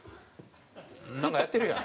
なんかやってるやん。